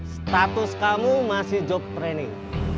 status kamu masih joke training